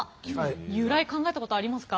由来考えたことありますか。